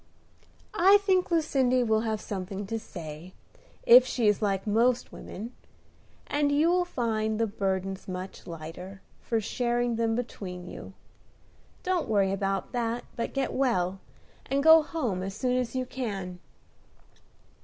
"I think Lucindy will have something to say, if she is like most women, and you will find the burdens much lighter, for sharing them between you. Don't worry about that, but get well, and go home as soon as you can."